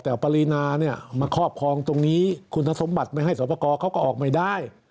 แต่ปรินาเนี่ยมาครอบครองตรงนี้คุณสมบัติไม่ให้สอบประกอบเขาก็ออกไม่ได้